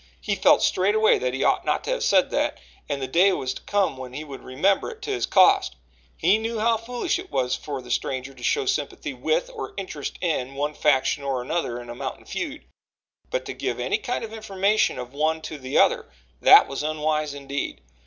He felt straightway that he ought not to have said that, and the day was to come when he would remember it to his cost. He knew how foolish it was for the stranger to show sympathy with, or interest in, one faction or another in a mountain feud, but to give any kind of information of one to the other that was unwise indeed.